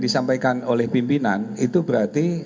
disampaikan oleh pimpinan itu berarti